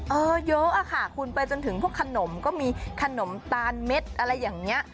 เยอะค่ะคุณไปจนถึงพวกขนมก็มีขนมตาลเม็ดอะไรอย่างนี้